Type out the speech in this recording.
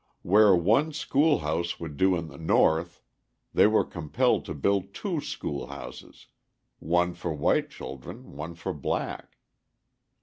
Where one school house would do in the North, they were compelled to build two school houses, one for white children, one for black.